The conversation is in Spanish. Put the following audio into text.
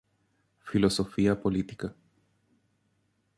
Filosofía política.